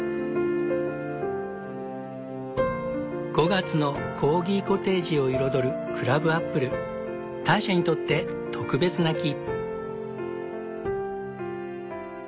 ５月のコーギコテージを彩るターシャにとって特別な木。